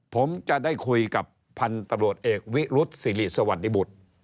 ผมจะได้คุยกับพันธุ์ตำรวจเอกวิรุษศิริสวัสดิบุตร